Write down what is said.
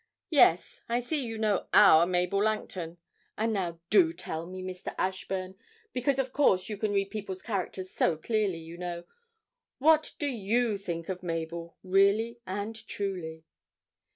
Yes; I see you know our Mabel Langton. And now, do tell me, Mr. Ashburn, because of course you can read people's characters so clearly, you know, what do you think of Mabel, really and truly?'